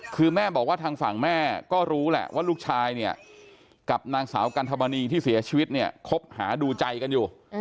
คือแม่บอกว่าทางฝั่งแม่ก็รู้แหละว่าลูกชายเนี่ยกับนางสาวกันธมณีที่เสียชีวิตเนี่ยคบหาดูใจกันอยู่